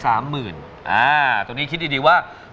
อ่าโอเคคิดดีว่า